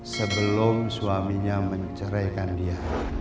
sebelum suaminya menceraikan dia